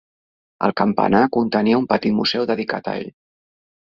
El campanar contenia un petit museu dedicat a ell.